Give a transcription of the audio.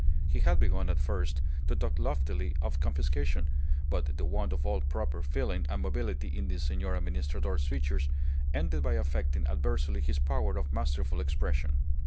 He had begun at first to talk loftily of confiscation, but the want of all proper feeling and mobility in the Senor Administrador's features ended by affecting adversely his power of masterful expression.